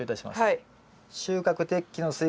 はい。